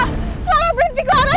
clara berhenti clara